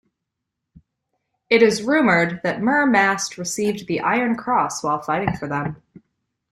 It is rumoured that Mir Mast received the Iron Cross while fighting for them.